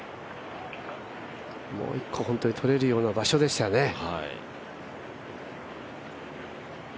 もう一個、取れるような場所でしたね。